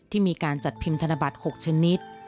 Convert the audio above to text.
มีการจัดพิมพ์ธนบัตร๖ชนิด